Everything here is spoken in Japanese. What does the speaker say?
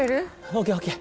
ＯＫＯＫ